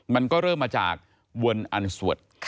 มันก็เริ่มมาจากวนอันสวด